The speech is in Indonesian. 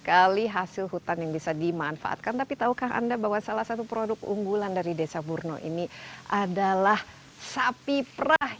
sekali hasil hutan yang bisa dimanfaatkan tapi tahukah anda bahwa salah satu produk unggulan dari desa burno ini adalah sapi perah